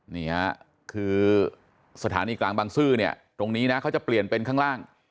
นี่ฮะคือสถานีกลางบางซื่อเนี่ยตรงนี้นะเขาจะเปลี่ยนเป็นข้างล่าง